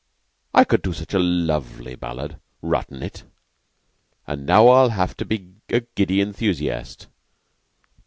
I could do such a lovely ballad, rottin' it; and now I'll have to be a giddy enthusiast.